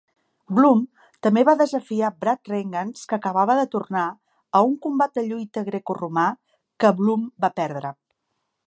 Bloom també va desafiar Brad Rheingans, que acabava de tornar, a un combat de lluita grecoromà, que Bloom va perdre.